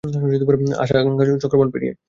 আশা আকাংখা চক্রবাল পেরিয়ে।